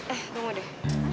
eh tunggu deh